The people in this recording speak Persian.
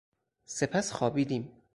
سپس خوابیدیم.